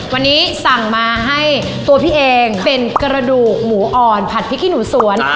วันนี้สั่งมาให้ตัวพี่เองเป็นกระดูกหมูอ่อนผัดพริกขี้หนูสวน